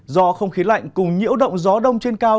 do không khí lạnh cùng nhiễu động gió đông trên cao